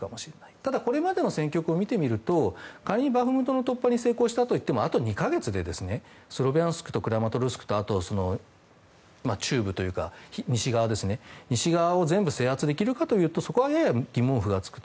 ただこれまでの戦局を見てみると仮にバフムトの突破に成功したといってもあと２か月でスロビャンスクとクラマトルシクとあとは中部というか西側を全部制圧できるかというとそこは疑問符が付くと。